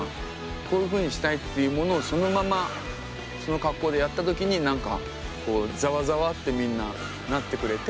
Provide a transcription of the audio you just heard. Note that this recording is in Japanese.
こういうふうにしたいっていうものをそのままその格好でやった時に何かこうざわざわってみんななってくれて。